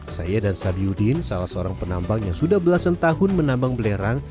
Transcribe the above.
saya dan sabiudin salah seorang penambang yang sudah belasan tahun menambang belerang